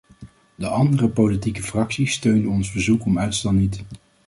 De andere politieke fracties steunden ons verzoek om uitstel niet.